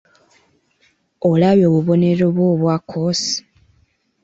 Olabye obubonero bwo obwa kkoosi?